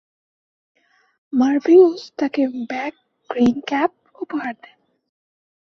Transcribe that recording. মার্ভ Hughes তাকে bag green cap উপহার দেন।